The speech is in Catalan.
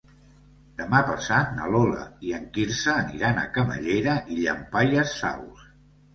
Demà passat na Lola i en Quirze aniran a Camallera i Llampaies Saus.